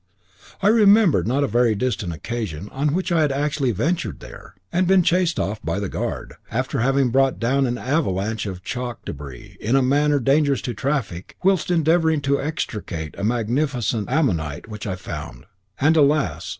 I remembered a not very distant occasion on which I had actually ventured there, and been chased off by the guard, after having brought down an avalanche of chalk débris in a manner dangerous to traffic whilst endeavouring to extricate a magnificent ammonite which I found, and alas!